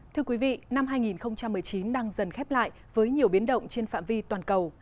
thưa quý vị năm hai nghìn một mươi chín đang dần khép lại với nhiều biến động trên phạm vi toàn cầu